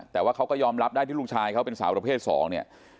แต่ว่าเขาก็ยอมรับได้ที่ลูกชายเขาเป็นสาวประเภทสองเนี่ย